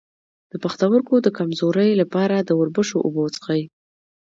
د پښتورګو د کمزوری لپاره د وربشو اوبه وڅښئ